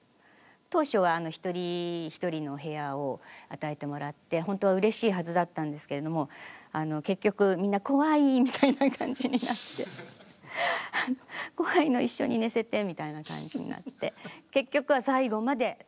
当初は一人一人の部屋を与えてもらってほんとはうれしいはずだったんですけれども結局みんな怖いみたいな感じになって怖いの一緒に寝せてみたいな感じになって結局は最後まで３人一緒に。